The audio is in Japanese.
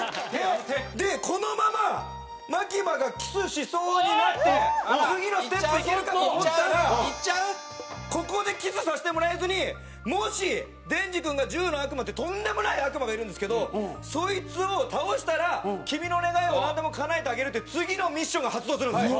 このままマキマがキスしそうになって次のステップいけるかと思ったらここでキスさせてもらえずにもしデンジ君が銃の悪魔っていうとんでもない悪魔がいるんですけどそいつを倒したら君の願いをなんでも叶えてあげるっていう次のミッションが発動するんですよ。